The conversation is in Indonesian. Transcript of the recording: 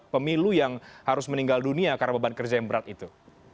pemilu yang harus meninggal dunia karena beban kerja yang berat itu